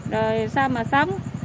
rồi sao mà sống